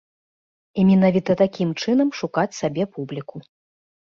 І менавіта такім чынам шукаць сабе публіку.